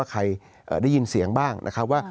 ใครได้ยินเสียงบ้างนะครับว่า